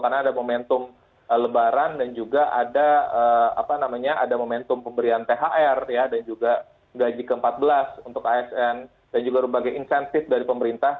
karena ada momentum lebaran dan juga ada momentum pemberian thr dan juga gaji ke empat belas untuk asn dan juga berbagai insentif dari pemerintah